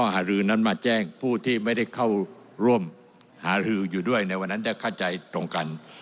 หารือนั้นมาแจ้งผู้ที่ไม่ได้เข้าร่วมหารืออยู่ด้วยในวันนั้นจะเข้าใจตรงกัน